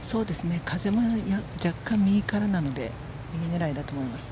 風も若干右からなので右狙いだと思います。